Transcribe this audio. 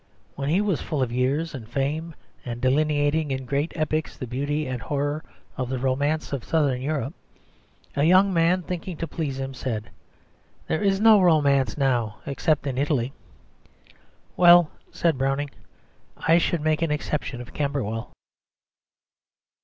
When he was full of years and fame, and delineating in great epics the beauty and horror of the romance of southern Europe, a young man, thinking to please him, said, "There is no romance now except in Italy." "Well," said Browning, "I should make an exception of Camberwell."